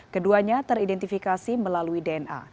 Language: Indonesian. keduanya teridentifikasi melalui dna